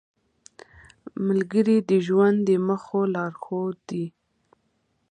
ملګری د ژوند د موخو لارښود دی